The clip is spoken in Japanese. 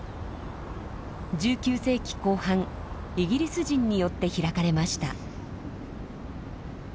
１９世紀後半イギリス人によって開かれました。